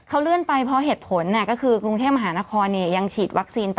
เขาเลื่อนไปเพราะเหตุผลก็คือกรุงเทพมหานครยังฉีดวัคซีนไป